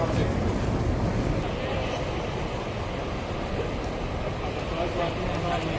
สวัสดีครับ